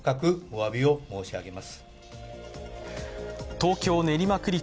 東京・練馬区立